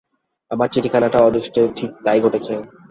আমার চিঠিখানার অদৃষ্টে ঠিক তাই ঘটেছে।